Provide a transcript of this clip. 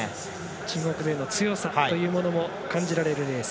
中国勢の強さというのも感じられるレース。